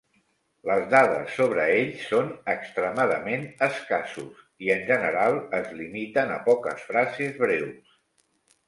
Les dades sobre ells són extremadament escassos i en general es limiten a poques frases breus.